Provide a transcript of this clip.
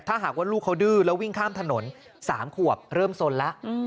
ถ้าหากว่าลูกเขาดื้อแล้ววิ่งข้ามถนน๓ขวบเริ่มสนแล้ว